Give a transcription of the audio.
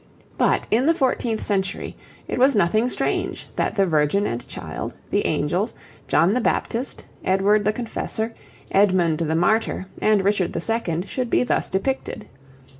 But, in the fourteenth century, it was nothing strange that the Virgin and Child, the angels, John the Baptist, Edward the Confessor, Edmund the Martyr, and Richard II. should be thus depicted.